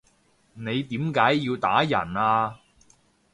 你點解要打人啊？